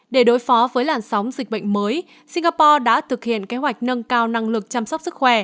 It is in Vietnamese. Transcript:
để đối phó với làn sóng dịch bệnh mới singapore đã thực hiện kế hoạch nâng cao năng lực chăm sóc sức khỏe